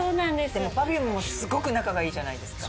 でもＰｅｒｆｕｍｅもすごく仲がいいじゃないですか。